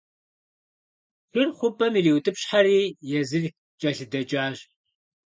Шыр хъупӏэм ириутӏыпщхьэри, езыр кӏэлъыдэкӏащ.